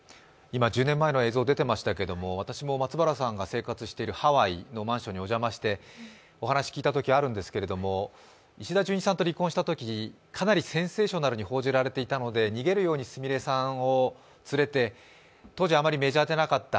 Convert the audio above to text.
今１０年前の映像出てましたけど私も松原さんが生活しているハワイのマンションにお邪魔して、お話を聞いたときあるんですけれども、石田純一さんと離婚したとき、かなりセンセーショナルに報じられていたので逃げるようにすみれさんを連れて当時あまりメジャーじゃなかった